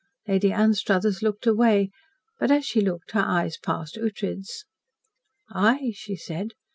Lady Anstruthers looked away, but as she looked her eyes passed Ughtred's. "I!" she said.